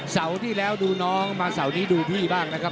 เสาร์ที่แล้วดูน้องมาเสาร์นี้ดูพี่บ้างนะครับ